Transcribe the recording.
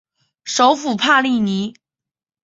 首府帕利尼。